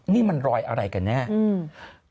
นี่มันรอยอะไรกันแน่อืม